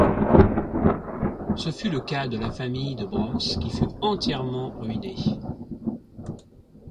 Ce fut le cas de la famille de Brosse qui fut entièrement ruinée.